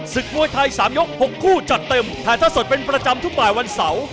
มวยไทย๓ยก๖คู่จัดเต็มถ่ายท่าสดเป็นประจำทุกบ่ายวันเสาร์